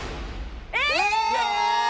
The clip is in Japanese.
え！